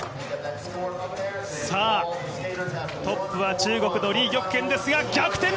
トップは中国の李玉娟ですが逆転！